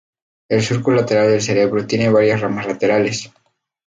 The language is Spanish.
El surco lateral del cerebro tiene varias ramas laterales.